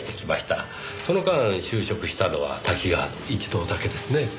その間就職したのはタキガワの一度だけですね。